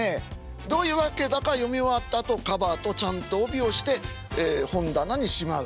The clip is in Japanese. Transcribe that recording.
どういうわけだか読み終わったあとカバーとちゃんと帯をして本棚にしまう。